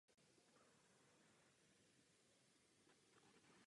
V některých místech se z ní oddělují a zase spojují oddělené vertikální chodby.